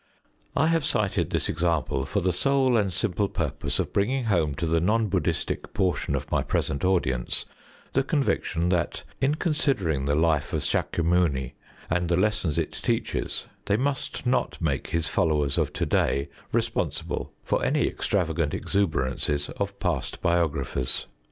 I have cited this example for the sole and simple purpose of bringing home to the non Bud╠Żd╠Żhistic portion of my present audience the conviction that, in considering the life of S─ükya Muni and the lessons it teaches, they must not make his followers of to day responsible for any extravagant exuberances of past biographers.